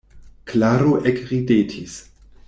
Klaro ekridetis.